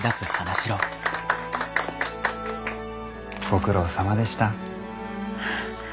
ご苦労さまでした。